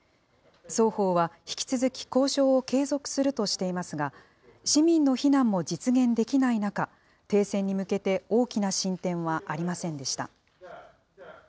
双方は、引き続き交渉を継続するとしていますが、市民の避難も実現できない中、停戦に向けて大きな進展はありませんでした。